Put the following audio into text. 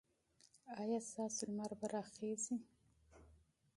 ایا ستاسو لمر به راخېژي؟